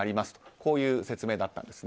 こういう説明だったんです。